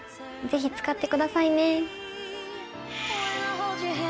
ぜひ使ってくださいね。